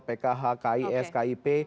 pkh kis kip